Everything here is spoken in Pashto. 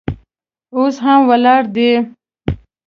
اوس هم ولاړ دی.